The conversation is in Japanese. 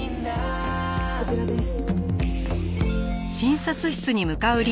こちらです。